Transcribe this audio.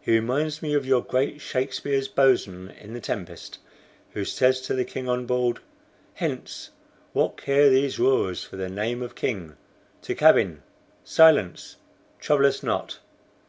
"He reminds me of your great Shakespeare's boatswain in the 'Tempest,' who says to the king on board: 'Hence! What care these roarers for the name of king? To cabin! Silence! Trouble us not.